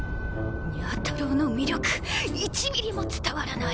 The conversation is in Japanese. にゃ太郎の魅力１ミリも伝わらない。